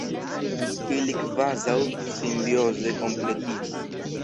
Ili kvazaŭ simbioze kompletiĝis.